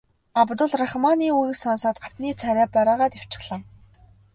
Абдул Рахманы үгийг сонсоод хатантны царай барайгаад явчихлаа.